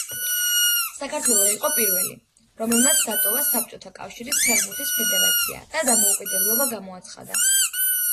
საქართველო იყო პირველი, რომელმაც დატოვა საბჭოთა კავშირის ფეხბურთის ფედერაცია და დამოუკიდებლობა გამოაცხადა.